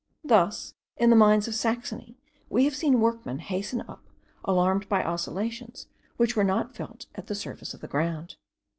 Thus, in the mines of Saxony, we have seen workmen hasten up alarmed by oscillations which were not felt at the surface of the ground.